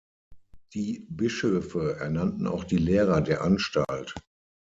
Die Bischöfe ernannten auch die Lehrer der Anstalt.